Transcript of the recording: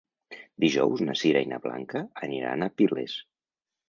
Dijous na Sira i na Blanca aniran a Piles.